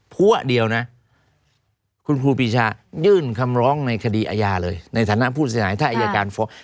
ผัวเดียวนะคุณครูปีชายื่นคำร้องในคดีอาญาเลยในฐานะผู้เสียหายถ้าอายการฟ้อง